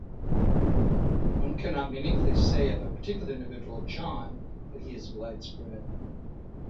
One cannot meaningfully say of a particular individual John that he is widespread.